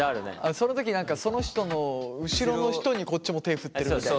その時その人の後ろの人にこっちも手振ってるみたいな。